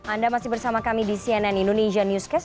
anda masih bersama kami di cnn indonesia newscast